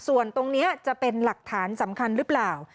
ส่วนตรงนี้จะเป็นหลักฐานสำคัญหรือเปล่า